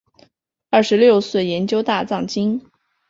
二十六岁研究大藏经。